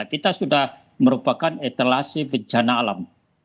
kita sudah merupakan etalasi bencana alam